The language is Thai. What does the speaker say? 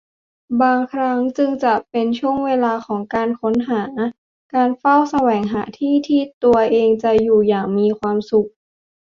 บางครั้งจึงจะเป็นช่วงเวลาของการค้นหา การเฝ้าแสวงหาที่ที่ตัวเองจะอยู่อย่างมีความสุข